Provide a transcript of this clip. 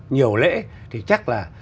nhiều lễ thì chắc là